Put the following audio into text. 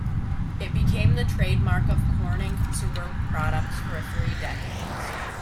It became the trademark of Corning consumer products for three decades.